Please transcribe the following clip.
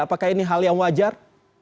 apakah ini hal yang wajar